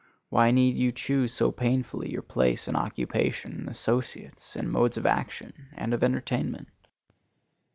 Why need you choose so painfully your place and occupation and associates and modes of action and of entertainment?